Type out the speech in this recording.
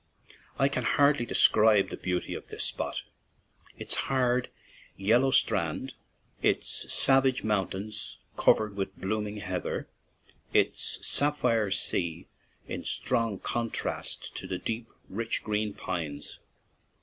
I can hardly describe the beauty of this spot— its hard, yellow strand, its savage mountains cov ered with blooming heather, its sapphire sea in strong contrast to the deep, rich green pines.